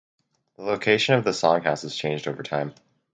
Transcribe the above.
The location of the Song House has changed over time.